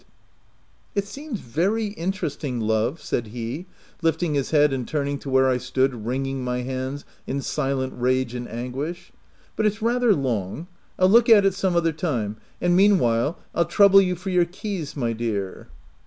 60 THE TENANT "It seems very interesting, love," said he, lifting his head and turning to where I stood wringing my hands in silent rage and anguish ;" but it's rather long ; I'll look at it some other time ;— and meanwhile, I'll trouble you for your keys, my dear."